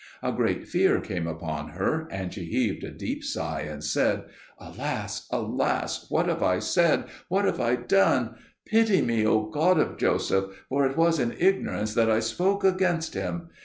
A great fear came upon her, and she heaved a deep sigh and said, "Alas, alas, what have I said? what have I done? Pity me, O God of Joseph, for it was in ignorance that I spoke against him.